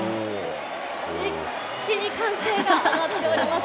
一気に歓声が上がっております。